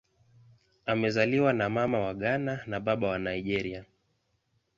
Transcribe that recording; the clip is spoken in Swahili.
Amezaliwa na Mama wa Ghana na Baba wa Nigeria.